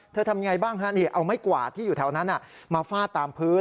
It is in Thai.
เธอทำยังไงบ้างเอาไม่กว่าที่อยู่แถวนั้นมาฝ้าตามพื้น